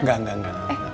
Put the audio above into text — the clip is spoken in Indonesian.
enggak enggak enggak